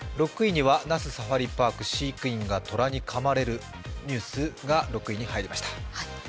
６位には那須サファリパーク、飼育員が虎にかまれるニュースが入りました。